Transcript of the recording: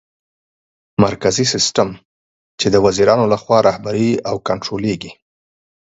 مرکزي سیستم : چي د وزیرانو لخوا رهبري او کنټرولېږي